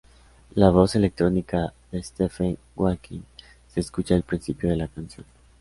La voz electrónica de Stephen Hawking se escucha al principio de la canción.